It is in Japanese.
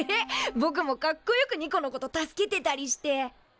ぼくもかっこよくニコのこと助けてたりして。